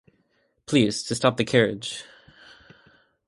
Please to stop the carriage.